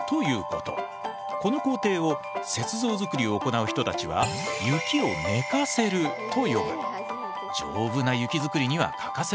この工程を雪像造りを行う人たちは雪を寝かせると呼び丈夫な雪作りには欠かせない。